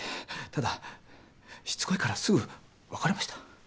ただしつこいからすぐ別れました。